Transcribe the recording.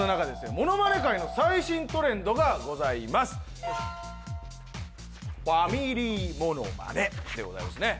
ものまね界の最新トレンドがございますファミリーものまねでございますね